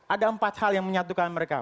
ada empat hal yang menyatukan mereka